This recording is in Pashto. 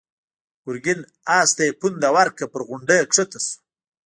ګرګين آس ته پونده ورکړه، پر غونډۍ کښته شو.